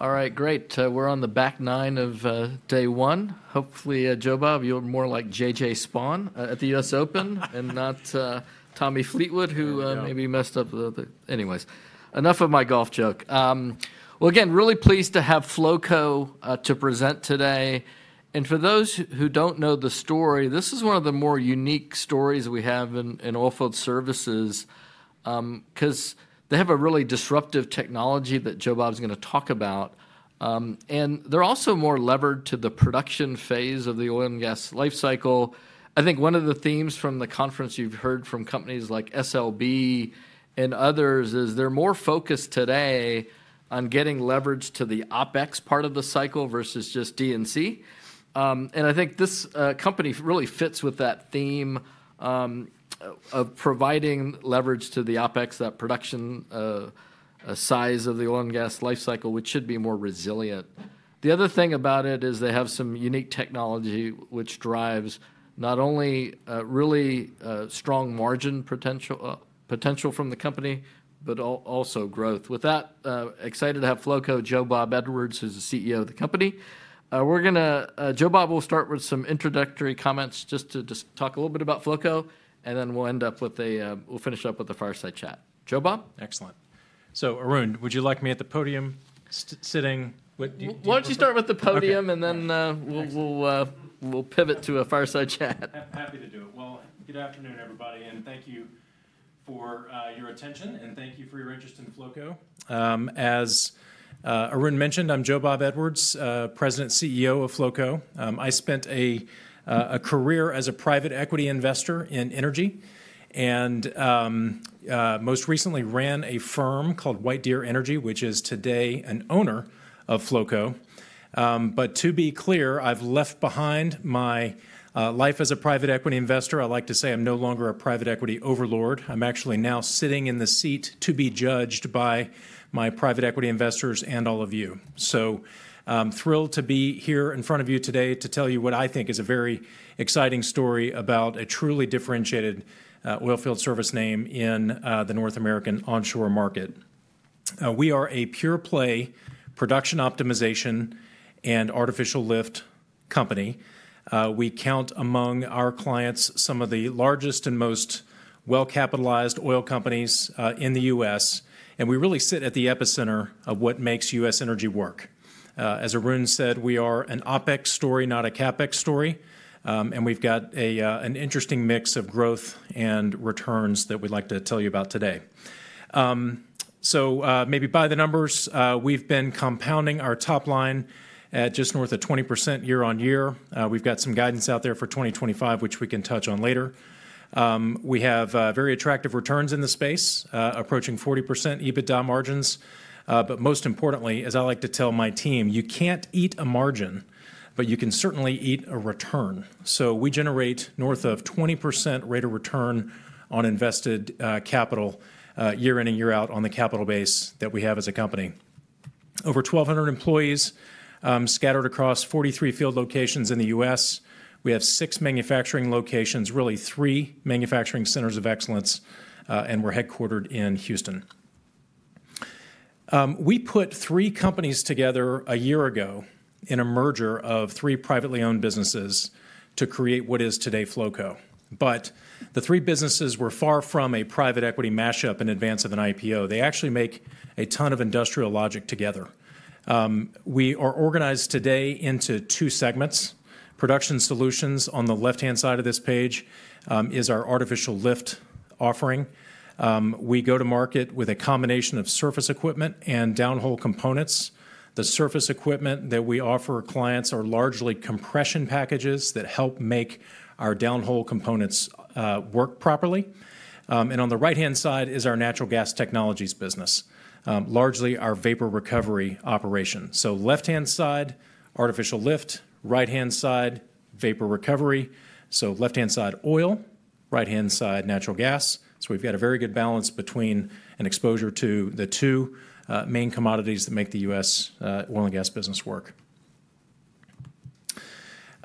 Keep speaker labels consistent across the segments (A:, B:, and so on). A: All right, great. We're on the back nine of day one. Hopefully, Joe Bob, you're more like J.J. Spaun at the U.S. Open and not Tommy Fleetwood, who maybe messed up the... Anyways, enough of my golf joke. Again, really pleased to have Flowco to present today. For those who do not know the story, this is one of the more unique stories we have in All-Field Services because they have a really disruptive technology that Joe Bob is going to talk about. They are also more levered to the production phase of the oil and gas life cycle. I think one of the themes from the conference you have heard from companies like SLB and others is they are more focused today on getting leverage to the OpEx part of the cycle versus just D&C. I think this company really fits with that theme of providing leverage to the OpEx, that production side of the oil and gas life cycle, which should be more resilient. The other thing about it is they have some unique technology which drives not only really strong margin potential from the company, but also growth. With that, excited to have Flowco, Joe Bob Edwards, who's the CEO of the company. We're going to... Joe Bob will start with some introductory comments just to talk a little bit about Flowco, and then we'll end up with a... We'll finish up with a fireside chat. Joe Bob?
B: Excellent. Arun, would you like me at the podium sitting? Why don't you start with the podium and then we'll pivot to a fireside chat. Happy to do it. Good afternoon, everybody, and thank you for your attention and thank you for your interest in Flowco. As Arun mentioned, I'm Joe Bob Edwards, President and CEO of Flowco. I spent a career as a private equity investor in energy and most recently ran a firm called White Deer Energy, which is today an owner of Flowco. To be clear, I've left behind my life as a private equity investor. I like to say I'm no longer a private equity overlord. I'm actually now sitting in the seat to be judged by my private equity investors and all of you. I'm thrilled to be here in front of you today to tell you what I think is a very exciting story about a truly differentiated oil field service name in the North American onshore market. We are a pure play production optimization and artificial lift company. We count among our clients some of the largest and most well-capitalized oil companies in the U.S., and we really sit at the epicenter of what makes U.S. energy work. As Arun said, we are an OpEx story, not a CapEx story, and we've got an interesting mix of growth and returns that we'd like to tell you about today. Maybe by the numbers, we've been compounding our top line at just north of 20% year on year. We've got some guidance out there for 2025, which we can touch on later. We have very attractive returns in the space, approaching 40% EBITDA margins. Most importantly, as I like to tell my team, you can't eat a margin, but you can certainly eat a return. We generate north of 20% rate of return on invested capital year in and year out on the capital base that we have as a company. Over 1,200 employees scattered across 43 field locations in the U.S. We have six manufacturing locations, really three manufacturing centers of excellence, and we are headquartered in Houston. We put three companies together a year ago in a merger of three privately owned businesses to create what is today Flowco. The three businesses were far from a private equity mashup in advance of an IPO. They actually make a ton of industrial logic together. We are organized today into two segments. Production solutions on the left-hand side of this page is our artificial lift offering. We go to market with a combination of surface equipment and downhole components. The surface equipment that we offer clients are largely compression packages that help make our downhole components work properly. On the right-hand side is our natural gas technologies business, largely our vapor recovery operation. Left-hand side, artificial lift. Right-hand side, vapor recovery. Left-hand side oil, right-hand side natural gas. We have a very good balance between an exposure to the two main commodities that make the U.S. oil and gas business work.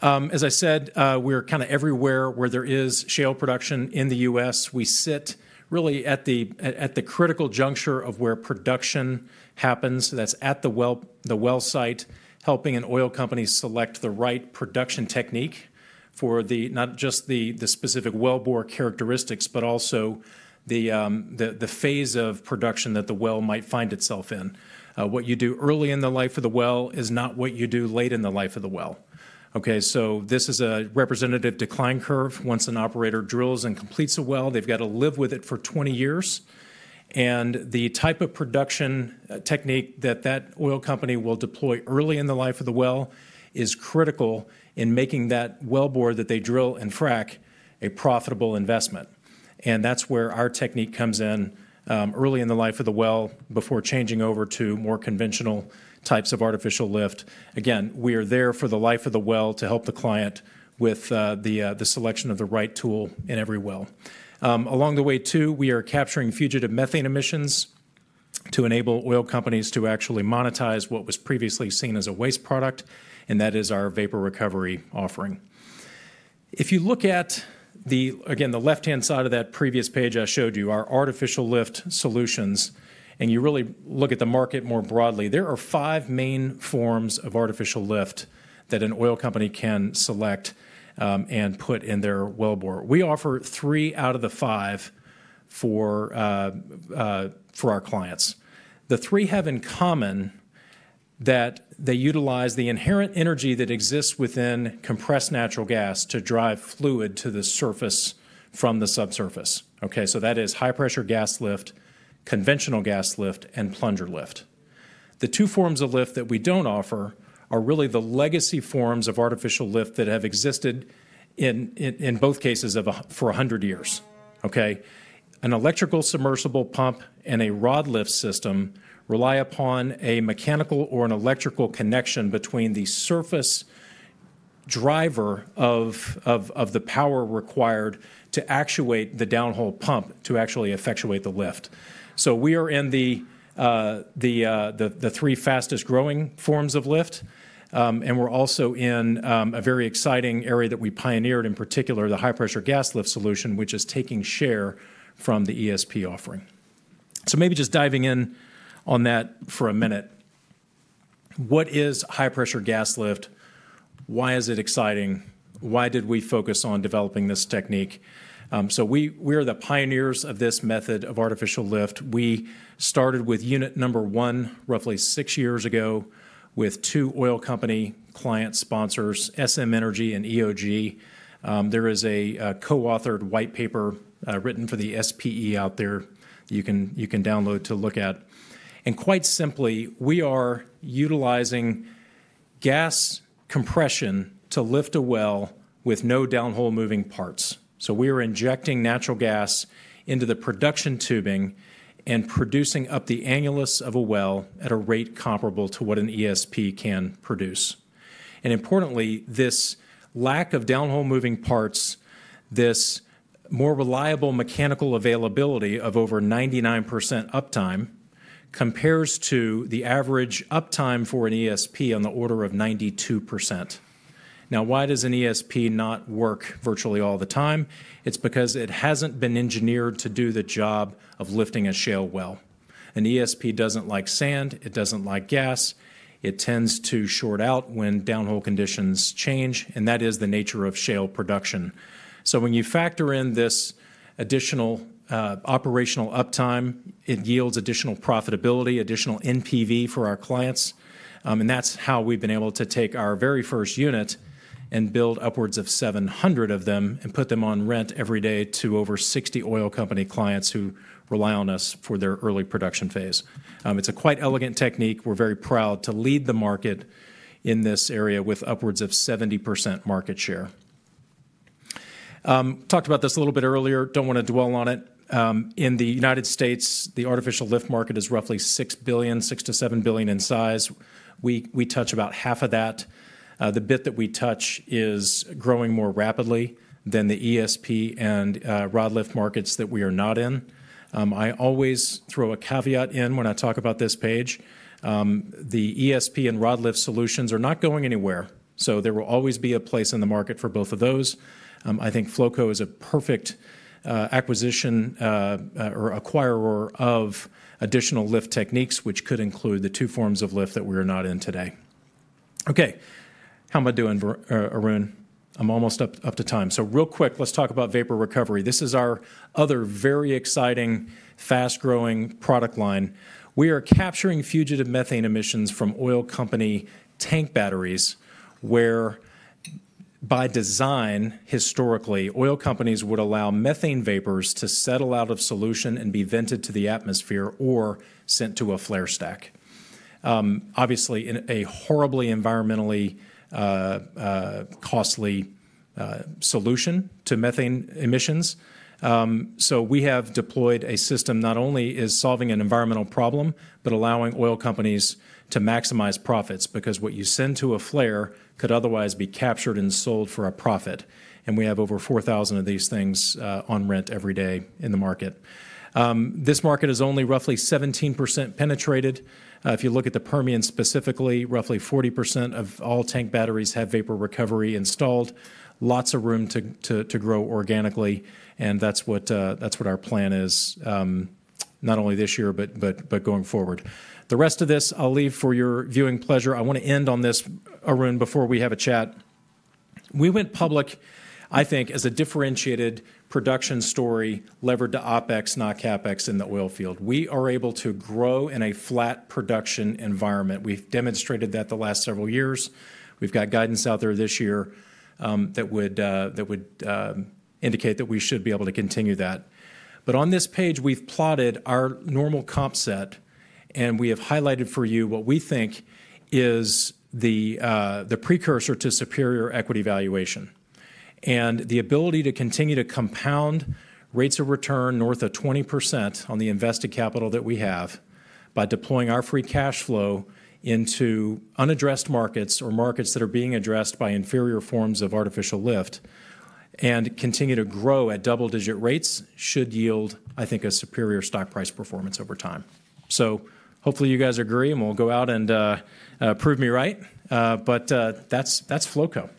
B: As I said, we're kind of everywhere where there is shale production in the U.S. We sit really at the critical juncture of where production happens. That's at the well site, helping an oil company select the right production technique for not just the specific wellbore characteristics, but also the phase of production that the well might find itself in. What you do early in the life of the well is not what you do late in the life of the well. Okay, so this is a representative decline curve. Once an operator drills and completes a well, they've got to live with it for 20 years. The type of production technique that that oil company will deploy early in the life of the well is critical in making that wellbore that they drill and frack a profitable investment. That is where our technique comes in early in the life of the well before changing over to more conventional types of artificial lift. Again, we are there for the life of the well to help the client with the selection of the right tool in every well. Along the way, too, we are capturing fugitive methane emissions to enable oil companies to actually monetize what was previously seen as a waste product, and that is our vapor recovery offering. If you look at the, again, the left-hand side of that previous page I showed you, our artificial lift solutions, and you really look at the market more broadly, there are five main forms of artificial lift that an oil company can select and put in their wellbore. We offer three out of the five for our clients. The three have in common that they utilize the inherent energy that exists within compressed natural gas to drive fluid to the surface from the subsurface. Okay, so that is high-pressure gas lift, conventional gas lift, and plunger lift. The two forms of lift that we don't offer are really the legacy forms of artificial lift that have existed in both cases for 100 years. Okay, an electrical submersible pump and a rod lift system rely upon a mechanical or an electrical connection between the surface driver of the power required to actuate the downhole pump to actually effectuate the lift. We are in the three fastest growing forms of lift, and we're also in a very exciting area that we pioneered in particular, the high-pressure gas lift solution, which is taking share from the ESP offering. Maybe just diving in on that for a minute. What is high-pressure gas lift? Why is it exciting? Why did we focus on developing this technique? We are the pioneers of this method of artificial lift. We started with unit number one roughly six years ago with two oil company client sponsors, SM Energy and EOG. There is a co-authored white paper written for the SPE out there you can download to look at. Quite simply, we are utilizing gas compression to lift a well with no downhole moving parts. We are injecting natural gas into the production tubing and producing up the annulus of a well at a rate comparable to what an ESP can produce. Importantly, this lack of downhole moving parts, this more reliable mechanical availability of over 99% uptime compares to the average uptime for an ESP on the order of 92%. Now, why does an ESP not work virtually all the time? It's because it hasn't been engineered to do the job of lifting a shale well. An ESP doesn't like sand. It doesn't like gas. It tends to short out when downhole conditions change, and that is the nature of shale production. When you factor in this additional operational uptime, it yields additional profitability, additional NPV for our clients. That is how we have been able to take our very first unit and build upwards of 700 of them and put them on rent every day to over 60 oil company clients who rely on us for their early production phase. It is a quite elegant technique. We are very proud to lead the market in this area with upwards of 70% market share. Talked about this a little bit earlier. Do not want to dwell on it. In the United States, the artificial lift market is roughly $6 billion, $6 billion-$7 billion in size. We touch about half of that. The bit that we touch is growing more rapidly than the ESP and rod lift markets that we are not in. I always throw a caveat in when I talk about this page. The ESP and rod lift solutions are not going anywhere. There will always be a place in the market for both of those. I think Flowco is a perfect acquisition or acquirer of additional lift techniques, which could include the two forms of lift that we are not in today. Okay, how am I doing, Arun? I'm almost up to time. Real quick, let's talk about vapor recovery. This is our other very exciting, fast-growing product line. We are capturing fugitive methane emissions from oil company tank batteries where, by design, historically, oil companies would allow methane vapors to settle out of solution and be vented to the atmosphere or sent to a flare stack. Obviously, in a horribly environmentally costly solution to methane emissions. We have deployed a system not only is solving an environmental problem, but allowing oil companies to maximize profits because what you send to a flare could otherwise be captured and sold for a profit. We have over 4,000 of these things on rent every day in the market. This market is only roughly 17% penetrated. If you look at the Permian specifically, roughly 40% of all tank batteries have vapor recovery installed. Lots of room to grow organically. That is what our plan is, not only this year, but going forward. The rest of this I will leave for your viewing pleasure. I want to end on this, Arun, before we have a chat. We went public, I think, as a differentiated production story levered to OpEx, not CapEx in the oil field. We are able to grow in a flat production environment. We've demonstrated that the last several years. We've got guidance out there this year that would indicate that we should be able to continue that. On this page, we've plotted our normal comp set, and we have highlighted for you what we think is the precursor to superior equity valuation and the ability to continue to compound rates of return north of 20% on the invested capital that we have by deploying our free cash flow into unaddressed markets or markets that are being addressed by inferior forms of artificial lift and continue to grow at double-digit rates should yield, I think, a superior stock price performance over time. Hopefully you guys agree and will go out and prove me right. That's Flowco.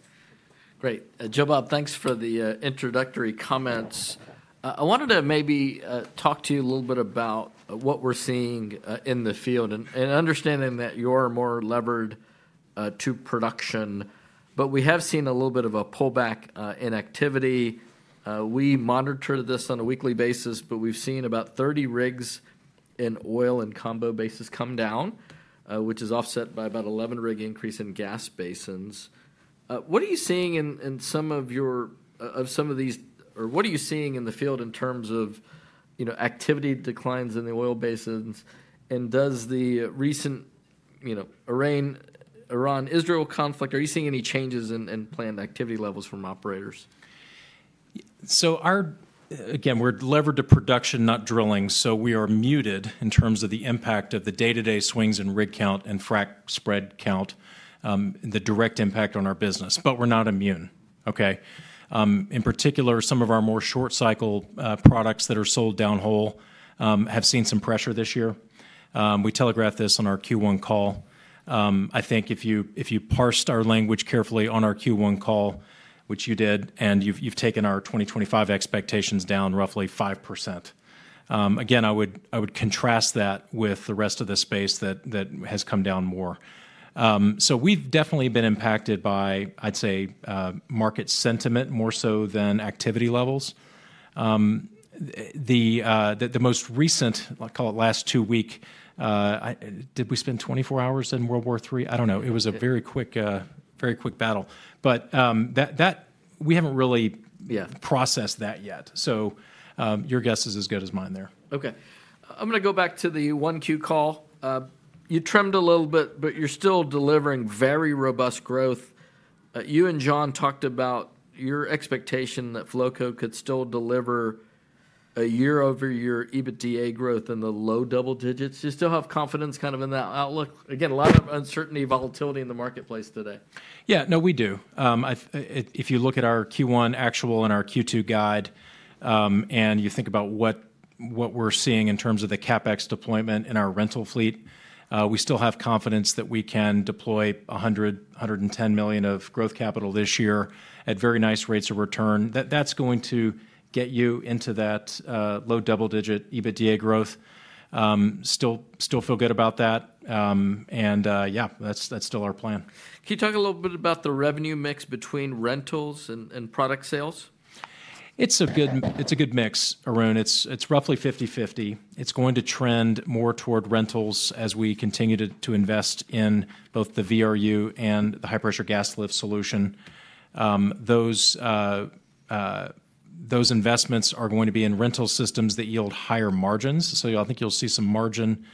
B: Great. Joe Bob, thanks for the introductory comments. I wanted to maybe talk to you a little bit about what we're seeing in the field and understanding that you're more levered to production. We have seen a little bit of a pullback in activity. We monitor this on a weekly basis, but we've seen about 30 rigs in oil and combo basins come down, which is offset by about 11 rig increase in gas basins. What are you seeing in some of these, or what are you seeing in the field in terms of activity declines in the oil basins? Does the recent Iran-Israel conflict, are you seeing any changes in planned activity levels from operators? Our, again, we're levered to production, not drilling. We are muted in terms of the impact of the day-to-day swings in rig count and frack spread count, the direct impact on our business, but we're not immune. In particular, some of our more short-cycle products that are sold downhole have seen some pressure this year. We telegraphed this on our Q1 call. I think if you parsed our language carefully on our Q1 call, which you did, and you've taken our 2025 expectations down roughly 5%. I would contrast that with the rest of the space that has come down more. We've definitely been impacted by, I'd say, market sentiment more so than activity levels. The most recent, I'll call it last two weeks, did we spend 24 hours in World War III? I don't know. It was a very quick battle. We haven't really processed that yet. Your guess is as good as mine there. Okay. I'm going to go back to the 1Q call. You trimmed a little bit, but you're still delivering very robust growth. You and John talked about your expectation that Flowco could still deliver a year-over-year EBITDA growth in the low double digits. Do you still have confidence kind of in that outlook? Again, a lot of uncertainty, volatility in the marketplace today. Yeah, no, we do. If you look at our Q1 actual and our Q2 guide and you think about what we're seeing in terms of the CapEx deployment in our rental fleet, we still have confidence that we can deploy $100 million-$110 million of growth capital this year at very nice rates of return. That's going to get you into that low double-digit EBITDA growth. Still feel good about that. Yeah, that's still our plan. Can you talk a little bit about the revenue mix between rentals and product sales? It's a good mix, Arun. It's roughly 50/50. It's going to trend more toward rentals as we continue to invest in both the VRU and the high-pressure gas lift solution. Those investments are going to be in rental systems that yield higher margins. I think you'll see some margin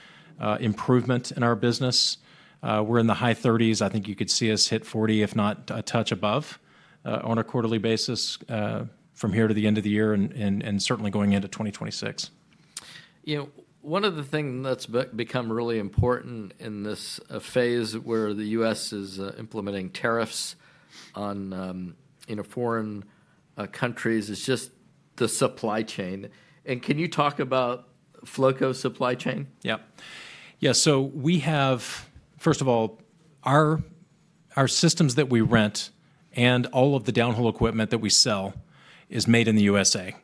B: improvement in our business. We're in the high 30%. I think you could see us hit 40%, if not a touch above on a quarterly basis from here to the end of the year and certainly going into 2026. One of the things that's become really important in this phase where the U.S. is implementing tariffs on foreign countries is just the supply chain. Can you talk about Flowco's supply chain? Yeah. Yeah. We have, first of all, our systems that we rent and all of the downhole equipment that we sell is made in the U.S.A.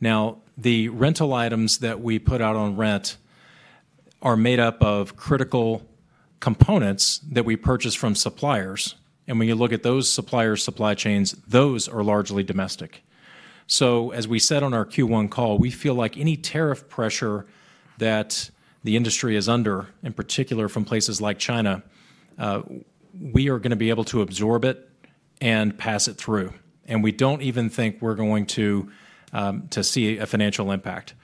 B: Now, the rental items that we put out on rent are made up of critical components that we purchase from suppliers. When you look at those suppliers' supply chains, those are largely domestic. As we said on our Q1 call, we feel like any tariff pressure that the industry is under, in particular from places like China, we are going to be able to absorb it and pass it through. We do not even think we are going to see a financial impact.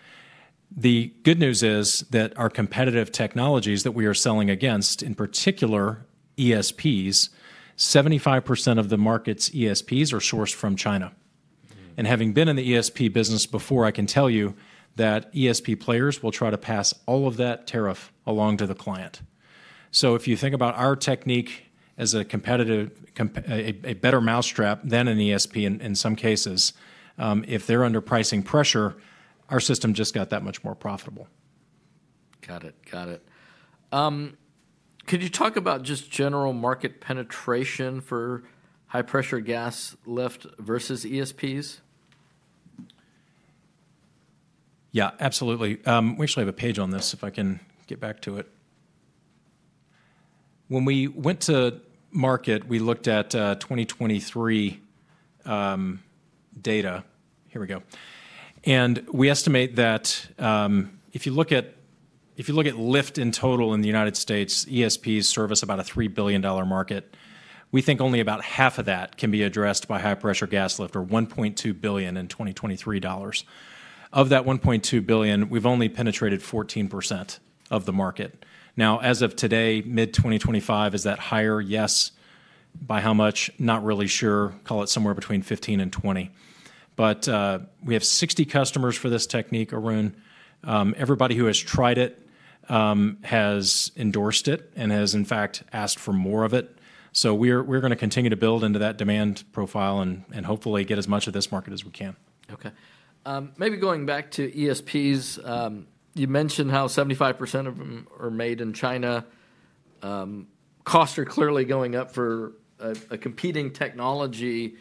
B: The good news is that our competitive technologies that we are selling against, in particular ESPs, 75% of the market's ESPs are sourced from China. Having been in the ESP business before, I can tell you that ESP players will try to pass all of that tariff along to the client. If you think about our technique as a competitive, a better mouse trap than an ESP in some cases, if they're under pricing pressure, our system just got that much more profitable. Got it. Got it. Could you talk about just general market penetration for high-pressure gas lift versus ESPs? Yeah, absolutely. We actually have a page on this if I can get back to it. When we went to market, we looked at 2023 data. Here we go. We estimate that if you look at lift in total in the United States, ESPs serve us about a $3 billion market. We think only about half of that can be addressed by high-pressure gas lift, or $1.2 billion in 2023. Of that $1.2 billion, we've only penetrated 14% of the market. Now, as of today, mid-2025, is that higher? Yes. By how much? Not really sure. Call it somewhere between 15%-20%. We have 60 customers for this technique, Arun. Everybody who has tried it has endorsed it and has, in fact, asked for more of it. We're going to continue to build into that demand profile and hopefully get as much of this market as we can. Okay. Maybe going back to ESPs, you mentioned how 75% of them are made in China. Costs are clearly going up for a competing technology.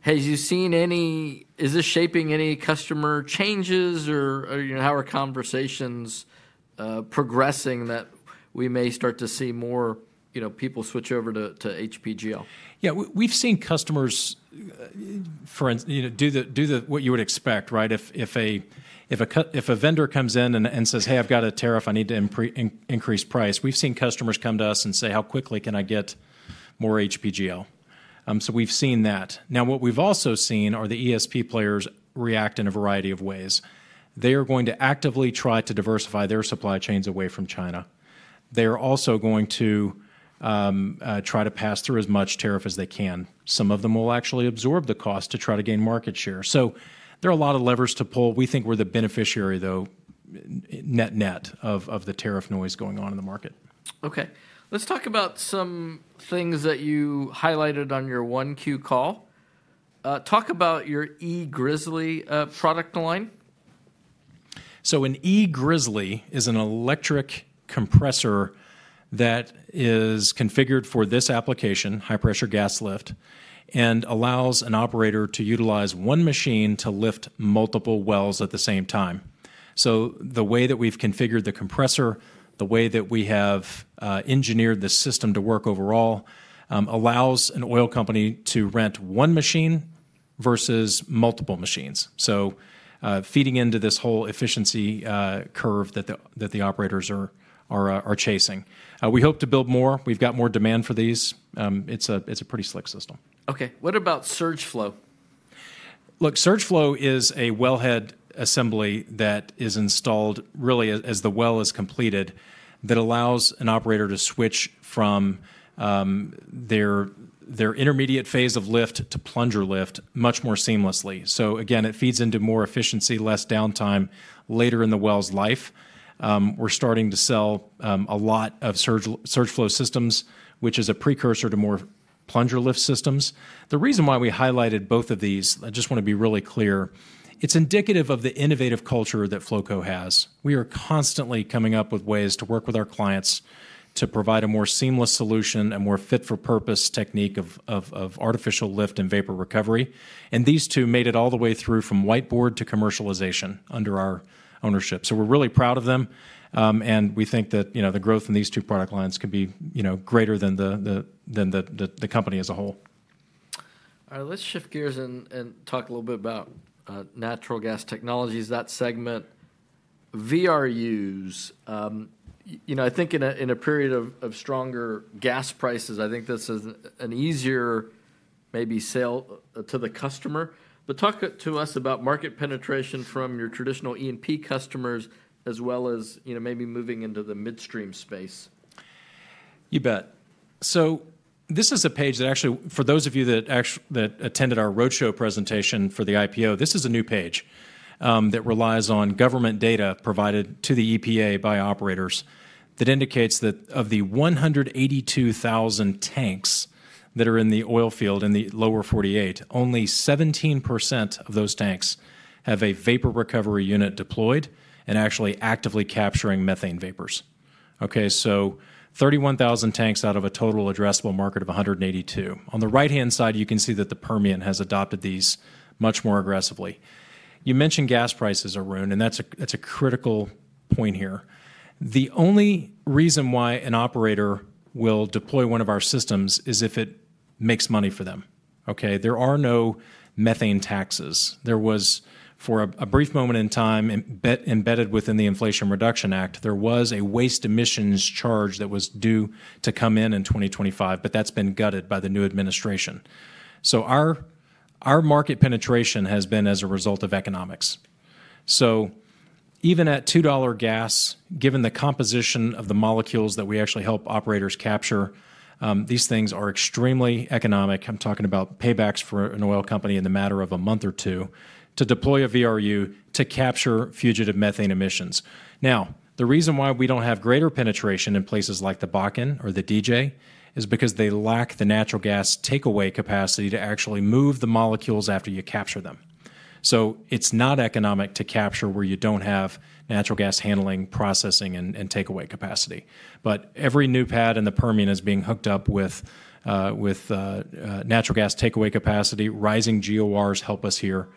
B: Has you seen any, is this shaping any customer changes or how are conversations progressing that we may start to see more people switch over to HPGL? Yeah, we've seen customers do what you would expect, right? If a vendor comes in and says, "Hey, I've got a tariff, I need to increase price," we've seen customers come to us and say, "How quickly can I get more HPGL?" So we've seen that. Now, what we've also seen are the ESP players react in a variety of ways. They are going to actively try to diversify their supply chains away from China. They are also going to try to pass through as much tariff as they can. Some of them will actually absorb the cost to try to gain market share. There are a lot of levers to pull. We think we're the beneficiary, though, net-net of the tariff noise going on in the market. Okay. Let's talk about some things that you highlighted on your 1Q call. Talk about your e-Grizzly product line. An e-Grizzly is an electric compressor that is configured for this application, high-pressure gas lift, and allows an operator to utilize one machine to lift multiple wells at the same time. The way that we've configured the compressor, the way that we have engineered the system to work overall, allows an oil company to rent one machine versus multiple machines. Feeding into this whole efficiency curve that the operators are chasing. We hope to build more. We've got more demand for these. It's a pretty slick system. Okay. What about SurgeFlow? Look, SurgeFlow is a wellhead assembly that is installed really as the well is completed that allows an operator to switch from their intermediate phase of lift to plunger lift much more seamlessly. It feeds into more efficiency, less downtime later in the well's life. We're starting to sell a lot of SurgeFlow systems, which is a precursor to more plunger lift systems. The reason why we highlighted both of these, I just want to be really clear, it's indicative of the innovative culture that Flowco has. We are constantly coming up with ways to work with our clients to provide a more seamless solution and more fit-for-purpose technique of artificial lift and vapor recovery. These two made it all the way through from whiteboard to commercialization under our ownership. We're really proud of them. We think that the growth in these two product lines could be greater than the company as a whole. All right. Let's shift gears and talk a little bit about natural gas technologies, that segment, VRUs. I think in a period of stronger gas prices, I think this is an easier maybe sale to the customer. Talk to us about market penetration from your traditional E&P customers as well as maybe moving into the midstream space. You bet. This is a page that actually, for those of you that attended our roadshow presentation for the IPO, is a new page that relies on government data provided to the EPA by operators that indicates that of the 182,000 tanks that are in the oil field in the lower 48, only 17% of those tanks have a vapor recovery unit deployed and actually actively capturing methane vapors. Okay. 31,000 tanks out of a total addressable market of 182. On the right-hand side, you can see that the Permian has adopted these much more aggressively. You mentioned gas prices, Arun, and that is a critical point here. The only reason why an operator will deploy one of our systems is if it makes money for them. There are no methane taxes. There was, for a brief moment in time, embedded within the Inflation Reduction Act, a waste emissions charge that was due to come in in 2025, but that's been gutted by the new administration. Our market penetration has been as a result of economics. Even at $2 gas, given the composition of the molecules that we actually help operators capture, these things are extremely economic. I'm talking about paybacks for an oil company in the matter of a month or two to deploy a VRU to capture fugitive methane emissions. The reason why we do not have greater penetration in places like the Bakken or the DJ is because they lack the natural gas takeaway capacity to actually move the molecules after you capture them. It is not economic to capture where you do not have natural gas handling, processing, and takeaway capacity. Every new pad in the Permian is being hooked up with natural gas takeaway capacity. Rising GORs help us here.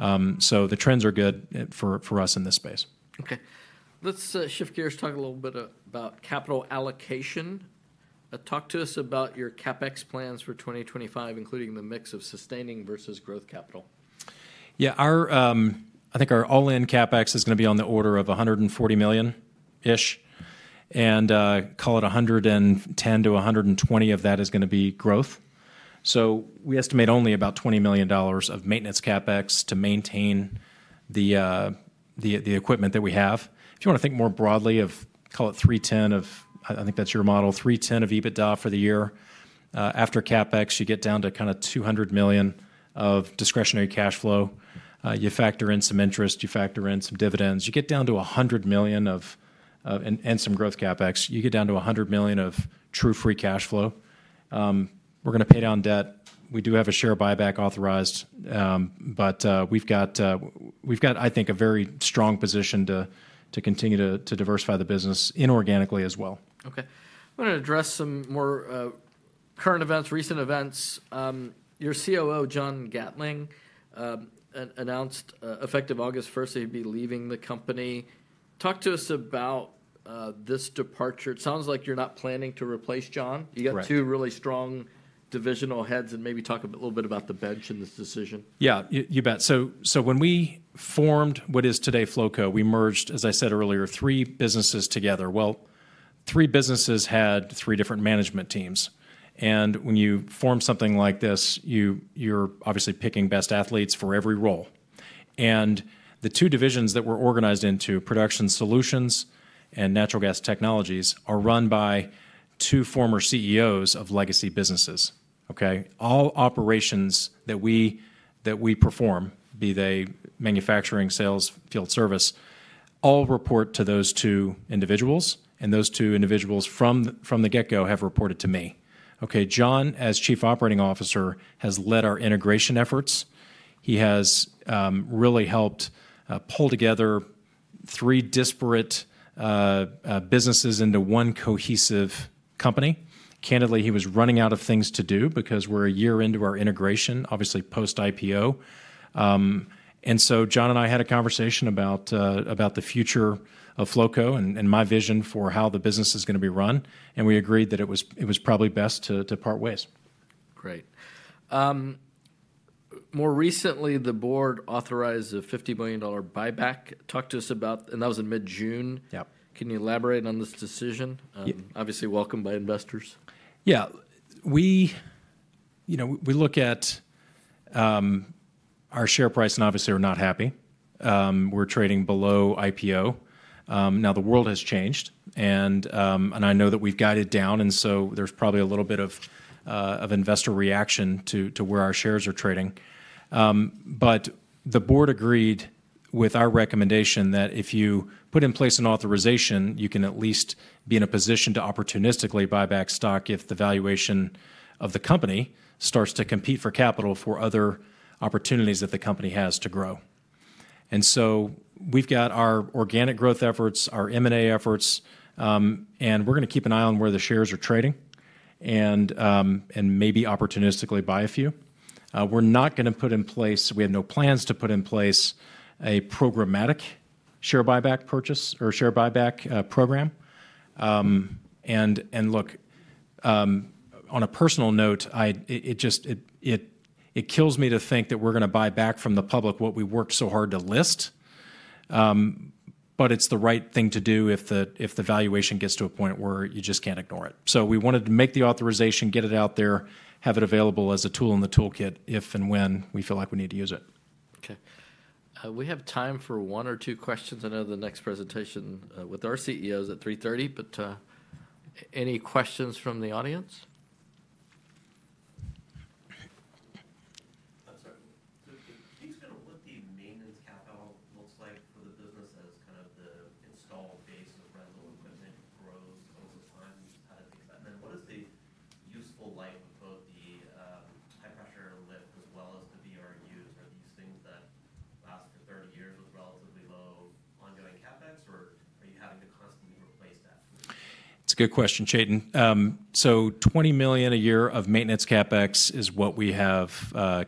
B: The trends are good for us in this space. Okay. Let's shift gears, talk a little bit about capital allocation. Talk to us about your CapEx plans for 2025, including the mix of sustaining versus growth capital. Yeah. I think our all-in CapEx is going to be on the order of $140 million-ish. Call it $110million-$120 million of that is going to be growth. We estimate only about $20 million of maintenance CapEx to maintain the equipment that we have. If you want to think more broadly of, call it $310 million of, I think that's your model, $310 million of EBITDA for the year, after CapEx, you get down to kind of $200 million of discretionary cash flow. You factor in some interest, you factor in some dividends. You get down to $100 million and some growth CapEx. You get down to $100 million of true free cash flow. We're going to pay down debt. We do have a share buyback authorized, but we've got, I think, a very strong position to continue to diversify the business inorganically as well. Okay. I want to address some more current events, recent events. Your COO, John Gatling, announced effective August 1st, he'd be leaving the company. Talk to us about this departure. It sounds like you're not planning to replace John. You got two really strong divisional heads and maybe talk a little bit about the bench in this decision. Yeah, you bet. When we formed what is today Flowco, we merged, as I said earlier, three businesses together. Three businesses had three different management teams. When you form something like this, you're obviously picking best athletes for every role. The two divisions that we're organized into, Production Solutions and Natural Gas Technologies, are run by two former CEOs of legacy businesses. All operations that we perform, be they manufacturing, sales, field service, all report to those two individuals. Those two individuals from the get-go have reported to me. John, as Chief Operating Officer, has led our integration efforts. He has really helped pull together three disparate businesses into one cohesive company. Candidly, he was running out of things to do because we're a year into our integration, obviously post-IPO. John and I had a conversation about the future of Flowco and my vision for how the business is going to be run. We agreed that it was probably best to part ways. Great. More recently, the board authorized a $50 million buyback. Talk to us about, and that was in mid-June. Can you elaborate on this decision? Obviously welcomed by investors. Yeah. We look at our share price and obviously we're not happy. We're trading below IPO. Now the world has changed and I know that we've guided down and so there's probably a little bit of investor reaction to where our shares are trading. The board agreed with our recommendation that if you put in place an authorization, you can at least be in a position to opportunistically buy back stock if the valuation of the company starts to compete for capital for other opportunities that the company has to grow. We've got our organic growth efforts, our M&A efforts, and we're going to keep an eye on where the shares are trading and maybe opportunistically buy a few. We're not going to put in place, we have no plans to put in place a programmatic share buyback purchase or share buyback program. Look, on a personal note, it kills me to think that we're going to buy back from the public what we worked so hard to list, but it's the right thing to do if the valuation gets to a point where you just can't ignore it. We wanted to make the authorization, get it out there, have it available as a tool in the toolkit if and when we feel like we need to use it. Okay. We have time for one or two questions. I know the next presentation with our CEO is at 3:30 P.M., but any questions from the audience? I'm sorry. Things kind of what the maintenance capital looks like for the business as kind of the installed base of rental equipment grows over time. How do things happen? What is the useful life of both the high-pressure gas lift as well as the VRUs? Are these things that last for 30 years with relatively low ongoing CapEx or are you having to constantly replace that? That's a good question, Chetan. So $20 million a year of maintenance CapExis what we have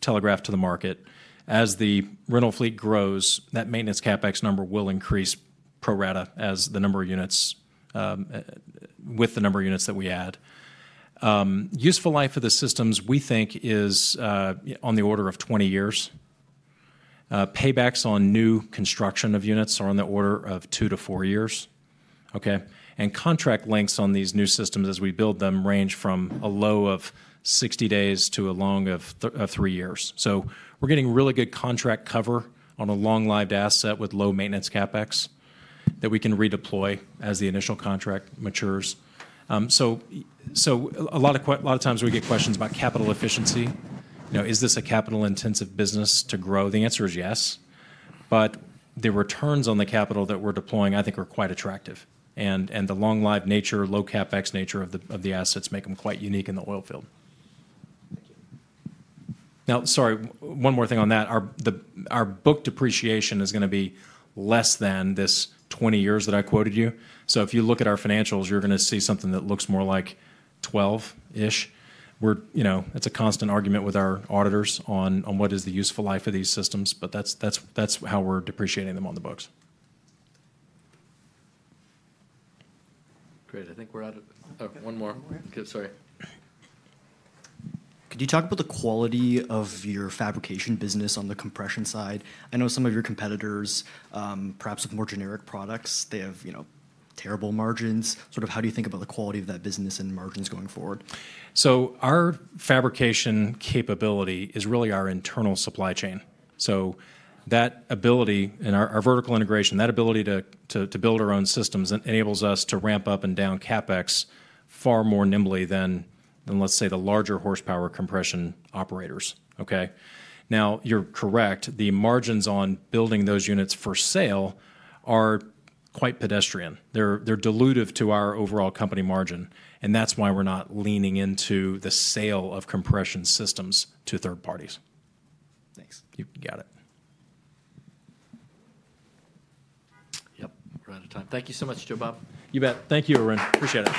B: telegraphed to the market. As the rental fleet grows, that maintenance CapEx number will increase pro rata as the number of units, with the number of units that we add. Useful life of the systems we think is on the order of 20 years. Paybacks on new construction of units are on the order of two to four years. Okay. Contract lengths on these new systems as we build them range from a low of 60 days to a long of three years. We are getting really good contract cover on a long-lived asset with low maintenance CapEx that we can redeploy as the initial contract matures. A lot of times we get questions about capital efficiency. Is this a capital-intensive business to grow? The answer is yes. The returns on the capital that we're deploying, I think, are quite attractive. The long-lived nature, low CapEx nature of the assets make them quite unique in the oil field. Sorry, one more thing on that. Our book depreciation is going to be less than this 20 years that I quoted you. If you look at our financials, you're going to see something that looks more like 12-ish. It's a constant argument with our auditors on what is the useful life of these systems, but that's how we're depreciating them on the books. Great. I think we're out of one more. Sorry. Could you talk about the quality of your fabrication business on the compression side? I know some of your competitors, perhaps with more generic products, they have terrible margins. Sort of how do you think about the quality of that business and margins going forward? Our fabrication capability is really our internal supply chain. That ability and our vertical integration, that ability to build our own systems enables us to ramp up and down CapEx far more nimbly than, let's say, the larger horsepower compression operators. Okay. Now, you're correct. The margins on building those units for sale are quite pedestrian. They're dilutive to our overall company margin. That's why we're not leaning into the sale of compression systems to third parties. Thanks.
C: You got it. Yep. We're out of time. Thank you so much, Joe Bob.
B: You bet. Thank you, Arun. Appreciate it.